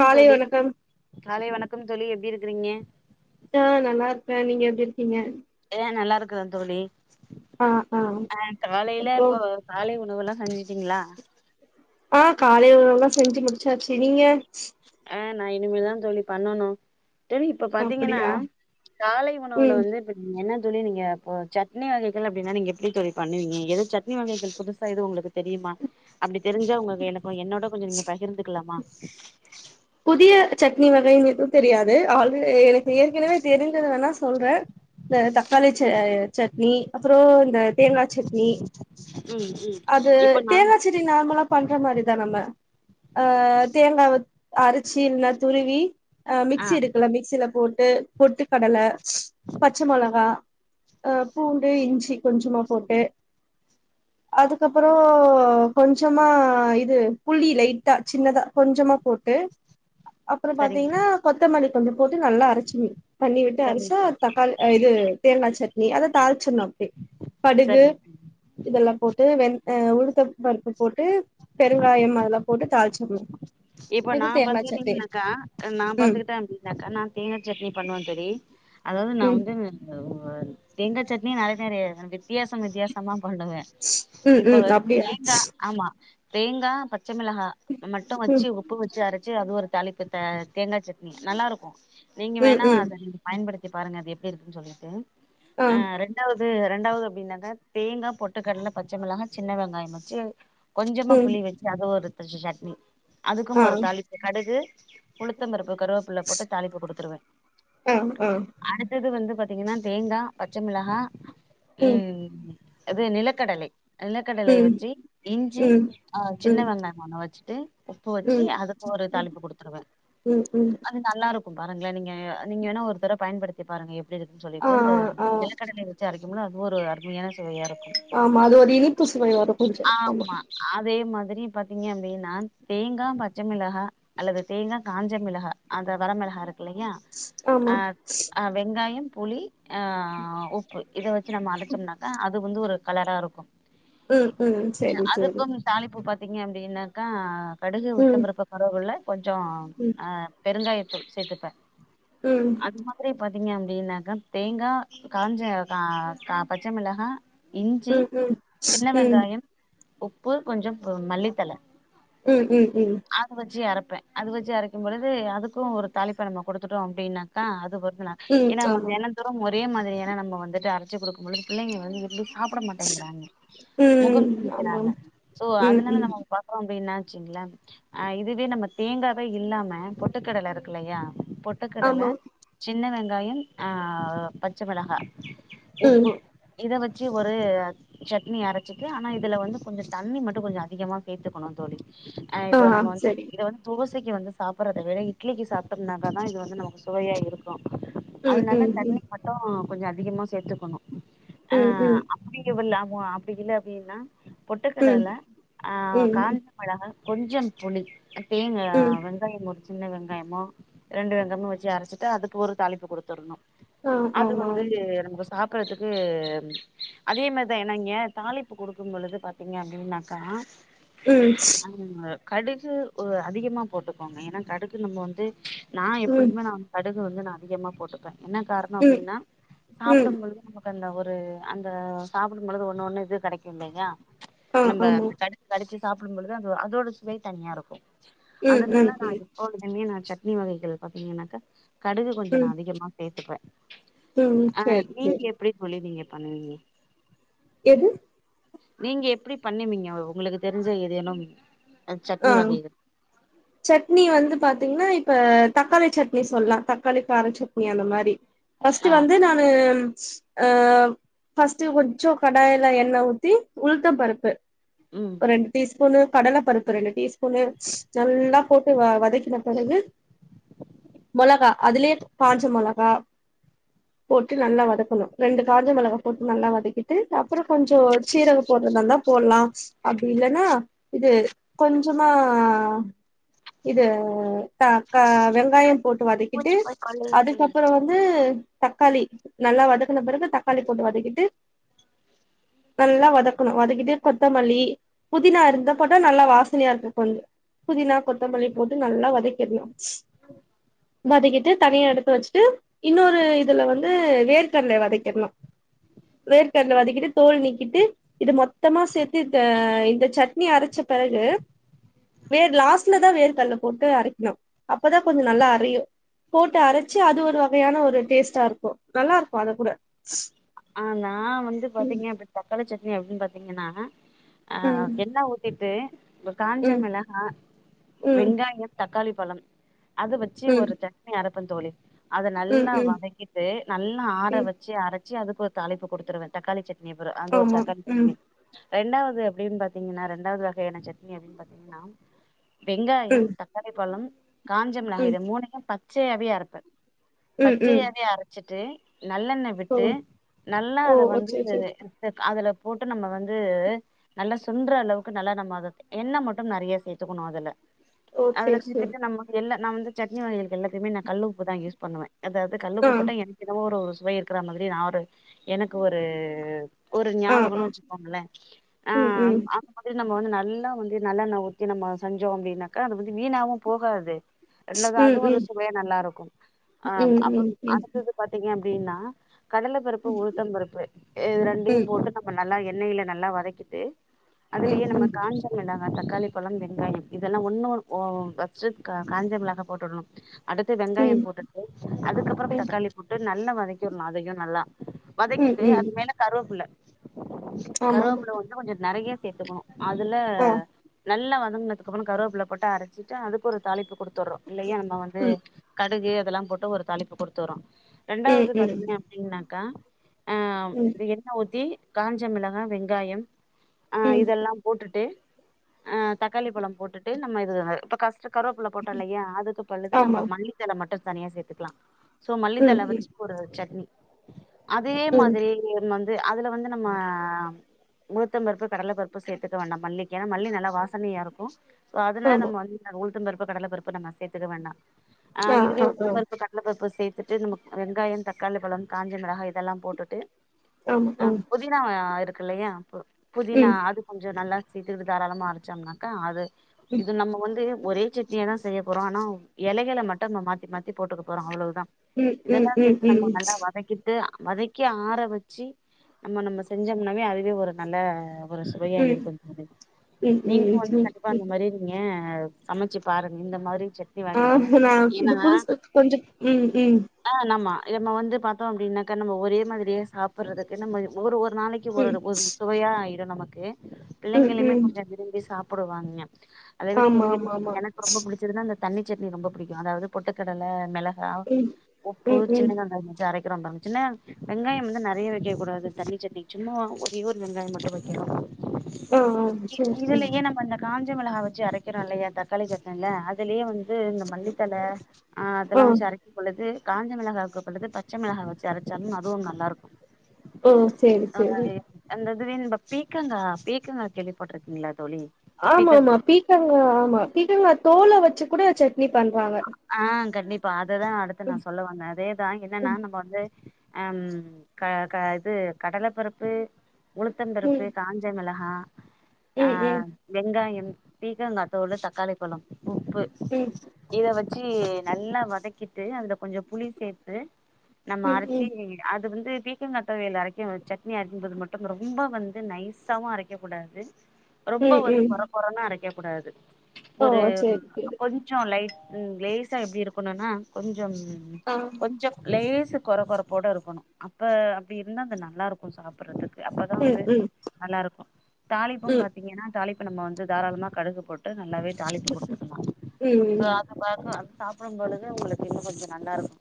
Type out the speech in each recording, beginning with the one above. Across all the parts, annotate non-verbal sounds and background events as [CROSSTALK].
ம் தோழி வணக்கம் காலை வணக்கம் தோழி எப்டி இருக்கிறீங்க நா நல்லா இருக்கே நீங்க எப்டி இருக்கீங்க எல்லா நல்லா இருக்குற தோழி ஆ ஆ அ காலையில அப்றோ இப்போ காலை உணவு எல்லா செஞ்சுட்டீங்களா ஆ காலை உணவுலா செஞ்சு முடிச்சாச்சு நீங்க ஆ நா இனிமேதா தோழி பண்ணனு ட்ட இப்ப பாத்தீங்கன்னா அப்படியா காலை உணவுல ம் வந்து ம், என்ன தோழி நீங்க இப்போ சட்னி வகைகள் அப்படின்னா நீங்க எப்படி தோழி பண்ணுவீங்க எதும் சட்னி வகைகள் புதுசா எதும் உங்களுக்கு தெரியுமா அப்படி தெரிஞ்சா உங்க எனக்கு என்னோட கொஞ்சோ நீங்க பகிர்ந்துக்கலாமா புதிய சட்னி வகை எதும் தெரியாது ஆல்ரெடி எனக்கு ஏற்கனவே தெரிஞ்சது வேணா சொல்றே இந்த தக்காளி ச சட்னி அப்பறோ இந்த தேங்கா சட்னி, ம் ம் அது இப்போ நா தேங்கா சட் னி நார்மலா பண்ற மாரிதா நம்ம ஆ தேங்காவ அரைச்சு இல்லைனா துருவி அ ஆ மிக்சி இருக்கல மிக்சியில போட்டு பொட்டு கடல பச்ச மொளகா அ பூண்டு இஞ்சி கொஞ்சமா போட்டு அதுக்கப்பறோ கொஞ்சமா இது புளி லைட்டா சின்னதா கொஞ்சமா போட்டு அப்பறோ சரிங்க பாத்தீங்கன்னா தோழி கொத்தமல்லி கொஞ்ச போட்டு நல்லா அரைச்சு மீ பண்ணி விட்டு சரிங்க அரைச்சா தோழி தக்காளி இது தேங்கா சட்னி அத தாளிச்சிடனு கடுகு சரிங்க தோழி இதெல்லா போட்டு வெ அ உளுத்தம்பருப்பு போட்டு பெருங்காயம் அதெல்லா போட்டு தாளிச்சுடனு இப்ப நா பாத்துக்கிட்டீங்கனாக்கா நா ம் பாத்துக்கிட்டே அப்டி னாக்கா நா தேங்கா சட்னி பண்ணுவே தோழி அதாவது நா ம் வந்து இந்த ஒரு தேங்கா சட்னியே நறைய நறைய வித்தியாசம் வித்தியாசமா பண்ணுவே ம் இப்போ ம் அப்டியா தேங்கா ஆமா தேங்கா பச்சமிளகா மட்டு ம் வச்சு உப்பு வச்சு அரைச்சு அது ஒரு தளிப்பு த தேங்கா சட்னி நல்லருக்கு நீங்க ம் வேணா ம் அத நீங்க பயன்படுத்தி பாருங்க அது எப்படி இருக்குன்னு சொல்லிட்டு ஆ அ ரெண் டாவது ரெண்டாவது அப்டின்னாக்கா தேங்கா பொட்டு கடல பச்ச மிளகா சின்ன வெங்காயம் வச்சு கொஞ்சமா ம் புளி வச்சு அது ஒரு ச சட்னி ஆ அதுக்கும் ஒரு தளி ப்பு கடுகு உளுத்தம்பருப்பு கருவேப்புல்ல போட்டு தாளிப்பு குடுத்துருவே ஆ ஆ அடுத்தது வந்து பாத்தீங்கன்னா தேங்கா பச்ச மிளகா ம் இது நிலக்கடலை நிலக்கடலை ம் வச்சு இஞ்சி ம் ஆ சின்ன ம் வெங்காயம் ஒன்னு வச்சுட்டு உப்பு வச்சு ம் அதுக்கு ஒரு தளிப்பு குடுத்துருவே ம் ம் அது நல்லா இருக்கு பாருங்களா நீங்க நீங்க வேணா ஒரு தடவ பயன்படுத்தி தி பாருங்க எப்டி இருக்குன்னு ஆ சொல்லிட்டு இந்த ஆ ஆ நிலக்கடலை வச்சு அரைக்கும்னா அதுவு ஒரு அருமையான சுவையா இருக்கு ஆமா அது ஒரு இனிப்பு சுவை வரும் கொஞ்ச ஆமா அதே மாதிரி பாத்தீங்க அப்டின் நா தேங்கா பச்ச மிளகா அல்லது தேங்கா காஞ்ச மிளகா அந்த வரமிளகா இருக்கு இல்லையா ஆமா அ அ வெங்காயம் புளி அ உப்பு இத வச் சி நம்ம அரைச்சோம்னாக்கா அது வந்து ஒரு கலரா இருக்கு ம் ம் இ செரி செரி அதுக்கும் தாளிப்பு பா த்தீங்க அப்படின்னாக்கா கடுகு ம் உத்தம்பருப்பு கருவேப்பில்ல கொஞ்சோ ம் அ பெருங்காய தூள் சேத்துப்பே ம் அது மாதிரி பாத்தீங்க அப்படின்னாக்கா தேங்கா காஞ்ச கா பச்ச மிளகா இஞ்சி ம் ம் ம் சின்ன வெங்காயம் உப்பு கொஞ்சம் மல்லித்தழ உம் உம் உம் அது வச்சு இறப்பே அது வச்சு அரைக்கும் பொழுது அதுக்கு ஒரு தாலிப்ப நம்ம கொடுத்துட்டோம் அப்படின்னாக்கா அது பொறுத்து ம் ஏன்னா நம்ம ஆமா தின தோறும் ஒரே மாதிரியான நம்ம வந்துட்டு அரைச்சு கொடுக்கும் பொழுது பிள்ளைங்க வந்து சாப்பிட மாட்டேங்கிறாங்க ம் முகம் ஆமா சொளிக்கிறாங்க சோ ம் அதனால ம் நம்ம [UNINTELLIGIBLE] ஏன்னா வச்சுங்கள அ இதுவே நம்ம தேங்காவே இல்லாம பொட்டுக்கடல இருக்குல்லையா பொட்டு பொட்டுக்கடல ஆமா சின்ன வெங்காயம் அ பச்ச மிளகா ம் உப்பு இத வச்சு ஒரு சட்னி அரைச்சிட்டு ஆனா இதுல வந்து கொஞ்சம் தண்ணி மட்டும் கொஞ்சம் அதிகமா சேர்த்துக்கணும் தோழி் ஆ இப்போ நம்ம வந்து சரி இத வந்து தோசைக்கு வந்து சாப்பிடுறத விட இட்லிக்கு சாப்பிட்டம்னாக்கா தா இது வந்து நமக்கு சுவையா இருக்கும் ம் அதனால ம் ம் தண்ணி மட்டும் கொஞ்சம் அதிகமா சேர்த்துக்கணும் அ ம் ம் பொடிங்கவில் ஆகு அப்படி இல்ல அப்படின்னா ம் பொட்டுக்கடல ஆ ம் காஞ்ச மிளகா கொஞ்சம் புளி தேங்க ம் வந்து வெங்காயம் ஒரு சின்ன வெங்காயமும் ரெண்டு வெங்காயமும் வச்சு அரைச்சிட்டு அதுக்கு ஒரு தாளிப்பு கொடுத்துடணும் ஆ அது ஆமா வந்து நமக்கு சாப்பிறதுக்கு அதே மாதிரிதா என்னாங்க தாலிப்பு கொடுக்கும்பொழுது பாத்தீங்க அப்படின்னாக்கா ம் ஆ கடுகு அதிகமா போட்டுக்கோங்க ஏன்னா கடுகு நம்ம வந்து நா ம் எப்பொதுமே ந கடுகு வந்து நா அதிகமா போட்டுப்பேன் என்ன காரணம் அப்படின்னா ம் சாப்பிடும்போது ப்ப ஒரு அந்த சாப்பிடும்பொழுது ஒண்ணு ஒண்ணு இது கிடைக்கும் இல்லையா ஆ நம்ம ஆமா கடு கடிச்சு சாப்பிடும்பொழுது அ அதோட சுவை தனியா இருக்கும் ம் அதனால ம் நா ம் எப்பொழுதுமே நா சட்னி வகைகள் பாத்தீங்கன்னாக்கா கடுகு கொஞ்சம் ம் நா அதிகமா சேர்த்துப்பே ம் அ சேரி நீங்க சேரி எப்படி புளிவீங்க பண்ணுவங்க எது நீங்க எப்படி பண்ணுவீங்க உங்களுக்கு தெரிஞ்ச ஏதேனு ஆ சட்னி வகைகள் சட்னி வந்து பாத்தீங்கன்னா இப்ப தக்காளி சட்னி சொல்லலா தக்காளி கார சட்னி அந்த மாதிரி பர்ஸ்ட் ஆ வந்து நானு அ பர்ஸ்ட்ட் கொஞ்சம் கடாயில எண்ண ஊத்தி உளுத்த பருப்பு ம் ஒரு ரெண்டு டீஸ்பூனு கடல பருப்பு ரெண்டு டீஸ்பூனு நல்லா போட்டு வ வதைக்கின பிறகு மொளகா அதுலயே காஞ்ச மொளகா போட்டு நல்லா வதக்கணு ரெண்டு காஞ்ச மிளகா போட்டு நல்லா வதக்கிட்டு அப்புறம் கொஞ்சம் சீரக போடுறதா இருந்தா போடலா அப்படி இல்லன்னா இது கொஞ்சமா இது க வெங்காயம் போட்டு வதக்கிட்டு அதுக்கப்புறம் வந்து தக்காளி நல்லா வதக்குன பிறகு தக்காளி போட்டு வதக்கிட்டு நல்லா வதக்கணும் வதக்கிட்டு கொத்தமல்லி புதினா இருந்த போட்ட நல்லா வாசனையா இருக்குக்கு கொஞ்சம் புதினா கொத்தமல்லி போட்டு நல்லா வதக்கிடனும் வதக்கிட்டு தனியா எடுத்து வச்சுட்டு இன்னொரு இதுல வந்து வேர்க்கடலை ய வதக்கிரனும் வேர்கடல வதக்கிட்டு தோல் நீக்கிட்டு இது மொத்தமா சேர்த்து இந்த இந்த சட்னி அரைச்ச பிறகு வேர் லாஸ்ட்ல தா வேர் கல்ல போட்டு அரைக்கணும் அப்பதா கொஞ்சம் நல்லா அறையும் போட்டு அரைச்சு அது ஒரு வகையான ஒரு டேஸ்ட்டா இருக்கும் நல்லா இருக்கும் அத கூட ஆ நா வந்து ம் பாத்தீங்கன்னா இப்படி தக்காளி சட்னி அப்படின்னு பாத்தீங்கன்னா அ ம் என்ன ஊ த்திட்டு இப்ப காஞ்ச ம் மிளகா ம் வெங்காயோ தக்காளி பழம் அது வச்சு ம் ஒரு சட்னி அரப்பந்தோழி அத ம் நல்லா ம் வதக்கிட்டு நல்லா ஆற ம் வச் ச்சு அரச்சி அதுக்கு ஒரு தாளிப்பு கொடுத்துருவே தக்காளி சட்னிபி ற அந்த ஒரு ஆமா தக்காளி ம் சட்னி ரெண்டாவது எப்டின்னு பாத்தீங்கன்னா ரெண்டாவ்து வகையான சட்னி அப்டின்னு பாத்தீங்கன்னா வெங்காயோ ம் தக்காளி பழம் காஞ்ச மிளகா ம் இத மூனையு பச்சையாவே அரப்பே ம் ம் பச்சயாவே அரச்சிட்டு நல்லெண்ண ஓ விட்டு நல்லா ஓ அத ஓ வந்து சேரி சேரி அதுல போட்டு நம்ம வந்து நல்லா சுண்ட்ற அளவுக்கு நல்லா நம்ம அத என்ன மட்டும் நிறைய சேத்துக்கணு அதுல ஓ அதுல சேரி சேரி செஞ்சுட்டு நம்ம எல்ல நா வந்து சட்னி வகைகளுக்கு எல்லாத்தையுமே நா கல்லு உப்பு தா யூஸ் பண்ணுவே அதாவ் ஆ கல்லுப்பு போட்ட எனக்கு என்னவோ ஒரு ஒரு சுவை இருக்கற மாரி நா ஒரு எனக்கு ஒரு ஒரு ஆ ஞாபகோனு ஆ வச்சுக்கோங்களே ஆ ம் ம் அப் நம்ம வந்து நல்லா வந்து நல்லன்ன ஒத்தி நம்ம செஞ்சோ அப்டின்னாக்கா அது வந்து வீணாவு போகாது அல்லது அது ம் ஒரு ம் சுவையா நல்லா இருக்கு அ ம் ம் ம் அப்புறம் ம் அடுத்தது பாத்தீங்க அப்டின்னா கடலபருப்பு உளுத்தம் பருப்பு இது ரெண்டையு ம் போட்டு நம்ம நல்லா எண்ணெயில நல்லா வதக்கிட்டு ம் அதுலயே நம்ம ம் காஞ்ச மெண்டாக தக்காளி பழம் வெங்காயம் இதெல்லா ஒண்ணு வச்சு காஞ்சமிளகா போட்டுட்ணு அடுத்து வெங்காயம் ம் போட்டுட்டு அதுக்கப்புறம் தக்காளி போட்டு நல்லா வதக்கிற்னு அதையு நல்லா ம் வதக்கிட்டு ம் அது மேலே கருவேப்புள்ள ஆமா ஆமா கருவேப்புள்ள வந்து கொஞ்சோ நிறைய சேத்துக்கணு அதுல ஆ நல்லா வதங்குனதுக்கு அப்புறோ கருவேப்பில போட்டு அரச்சிட்டு அதுக்கு ஒரு தாளிப்பு கொடுக் த்ர்ரோ இல்லையா நம்ம வந்து ம் கடுகு அதெல்லா போட்டு ஒரு தாலிப்பு கொடுத்துறோ ம் ரெண்டாவ்து ம் பாத்தீங்க அப்டீங்னாக்கா ஆ ம் எண்ண ஊத்தி காஞ்சமிளகா வெங்காயம் ஆ ம் இதெல்லா போட்டுட்டு ஆ தக்காளி பழம் போட்டுட்டு நம்ம இது இப்ப கஷ்ட கருவேப்புள்ள போட்டோல்லையா அதுக்கு பழுது நம்ம ஆமா மல்லித்தல மட்டு தனியா சேத்துக்கலா சோ ம் மல்லித்தல ம் வச்சு கூட ஒரு சட்னி அதே ம் மாதிரி நீங்ள்ம் வந்து அதுல வந்து நம்ம உழுத்தம் பருப்பு கடல பருப்பு சேத்துக்க வேண்டா மல்லிக்கு ஏன்னா மல்லி நல்லா வாசனையா இருக்கு சோ அதனால ஆமா நம்ம வந்து உளுத்தம்பருப்பு கடல பருப்பு நம்ம சேத்துக்க வேண்டா ஆ இதுவே உளுத்தம்பருப்பு கட ள்ளப்பருப்பு சேத்துட்டு நம வெங்காயம் தக்காளி பழம் காஞ்ச மிளகாய் இதெல்லா போட்டுட்டு ஆமா ஆ அம் ம் புதினா இருக்குல்லியா புதினா ம் அது கொஞ்சோ நல்லா சீத்து இது தாராளமா அரச்சம்னாக்கா அது ம் இது நம்ம வந்து ஒரே செட்னியா தா செய்ய போறோ ஆனாவ் இலைகள மட்டு நம்ம மாத்தி மாத்தி போட்டுக்க போறோ அவ்ளவுதா ம் ம் இதெல்லா ம் ம் சேத்து நம்ம நல்லா வதக் கிட்டு வதக்கி ஆற வச்சு நம்ம நம்ம செஞ்சோம்னாவே அதுவே ஒரு நல்ல ஒரு சுவையா இருக்குதொழி ம் நீங்களு ம் வந்து ம் கண்டிப்பா அந்த ம் மாரி நீங்க சமச்சு பாருங்க இந்த மாத்ரி செட் ஆகு நா இது புதுசு கொஞ்சோ ம் ம் ஆ நம்ம இது நம்ம வந்து பாத்தோ அப்டின்னாக்கா நம்ம ஒரே மாதிரியே சாப்பிட்றதுக்கு நம்ம ஒரு ஒரு நாளைக் கி ஒரு ம் சுவையா ஆயிடு நமக்கு ம் பிள்ளைங்களுமே ம் கொஞ்சோ திரும்பி சாப்பிடுவாங்கே அத விட ஆமா எங்க ஆமா ஆமா வீட் எனக்கு ரொம்ப புடி சதுனா அந்த தண்ணி சட்னி ரொம்ப பிடிக்கு அதாவுது பொட்டுக்கடல மெளகா ம் உப்பு ம் ம் சின்னகங்காயோ தரேங் வைக்கிறோ ம் பாருங்க சின்ன வெங்காயம் வந்து நிறைய வைக்கக் கூடாது தண்ணி சட்னி சும்மா ஒரயேரு வெங்காயம் மட்டு வக்கிறோ ஆ ஆ சேரி இதுல சேரி ஏன பண்ண காஞ்ச மிளகா வச்சு அரைக்கிறோ இல்லயா தக்காளி சட்னல்ல அதுலயே வந்து து இந்த மல்லித்தல ஆ அதெல்லா வச்சு அரக்கிம் பொழுது காஞ்சமிளகா க்கு பழுது ப பச்ச மிளகா வச்சு அரச்சாலு அதுவும் நல்லாருக்கு ம் சேரி செரி அந்தது வேண் ப பீக்கங்கா பீக்கங்கா கேள்விப்பட்டிருக்கீங்ளா தோழி ஆமா பீக்கங்கா ஆமா பீக்கங்கா ஆமா பீக்கங்கா தோல வச்சு கூட சட்னி பண்றாங்க ஆ கண்டிப்பா அததா அடுத்து நா ம் சொல்ல வந்த அதேதா என்னன்னா ம் நம்ப வந்து அம் க க இது கடல பருப்பு உளுத்தம்ம்பருப்பு ம் காஞ்ச மெளகா ஆ ம் ம் வெங்காயம் பீக்கங்காத்தோல் தக்காளி பழம் உப்பு ம் இத வச்சு நல்லா வதக்கிட்டு அதுல கொஞ்சொ புளி சேத்து நம்ம ம் அரச்சு ம் அது வந்து பீக்கங்காத்தொவயல் அரைக்க சட்னி அரைக்கும்போது மட்டும் ரொம்ப வந்து நைஸாவு அரைக்க கூடாது ரொம்ப ம் வந்து ம் கொற கொறன்னு அரைக்க கூடாது ஓ ஒரு சேரி சேரி கொஞ்சோ லைட் ம் லேசா எப்டி இருக்கணுனா கொஞ்சம் ஆ கொஞ்சம் லேசு கொற கொறப்போட இருக்கணு அப்ப அப்டி இருந்தா அந்த நல்லா இருக்கும் சாப்புடுறதுக்கு அப்பதா ம் வந்து ம் நல்லாருக்கு தாளிப்பும் ம் பாத்தீங்கன்னா தாளிப்பு நம்ம வந்து தாராளமா கடுகு போட் டு நல்லாவே தாளிப்பு குடுத்துக்குலா ம் சோ ம் அ த பாக்க அது சாப்பிடும் பொழுது உங்களுக்கு இன்னு கொஞ்சொ நல்லாருக்கு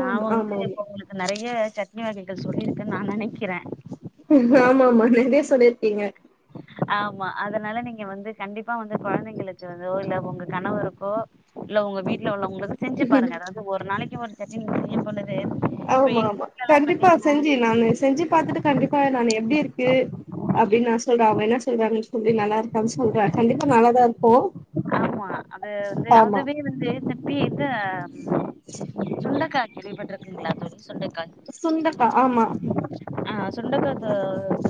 நா வந்து ஆமா இப்ப உங்களுக்கு நா நெறைய சட்னி வகைகள் சொல்லிருக்கன் நா நெனைக்கிறே ம் ஆமாமா நெறைய சொல்லிருக்கீங்க ஆமா அதனால நீங்க வந்து கண்டிப்பா வந்து கொழந்தைங்களுக்கு வந்தோ இல்ல உங்க கணவருக்கோ இல்ல உங்க வீட்ல உள்ளவங்களுக்கு செஞ்சு பாருங்க அதாவ்து ஒரு நாளைக்கு ஒரு சட்னி நீங்க செய்யும் பொழுது இப்ப ஆமா எங்க ஆமா வீட்லல்லா கண்டிப்பா பாத்தீங்கன்னா செஞ்சு நான் செஞ்சு பாத்துட்டு கண்டிப் பா நான் எப்டி இருக்கு அப்டின்னு நா சொல்றே அவங்க என்ன சொல்றாங்கன்னு சொல்லி நல்லாருக் அடிச்சு சொல்ற கண்டிப்பா நல்லாதா இருக்கு ஆ அது வந்து ஆமா அதுவே வந்து இந்த பி இந்த சுண்டக்க இருக் கேள்விப்பட்ருக்கீங்ளா இது சுண்டக்கா இது சுண்டக்கா ஆமா ஆ சுண்டக்கா த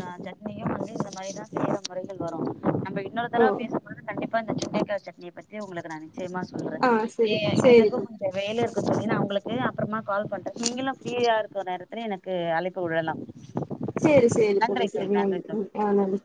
அ சட்னியு வந்து இந்த மாரிதா சில முறைகள் வரும் நம்ம இன்னொரு ஓ தடவ பேசும்பொழுது கண்டிப்பா இந்த சுண்டைக்காய் சட்னிய பத்தி உங்களுக்கு நான் த்தியமா சொல்றே ஆ ஏ சேரி சேரி எனக்கு கொஞ்சோ வேல இருக்கு தோழி நா உங்களுக்கு அப்றமா கால் பண்றே நீங்களு ஃப்ரீயா இருக்குற நேரத்துல எனக்கு அழைப்பு விழலாம் சேரி சேரி தோழி சேரி நன் தோழி ஆ நன்